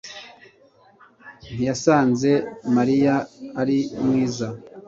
ntiyasanze Mariya ari mwiza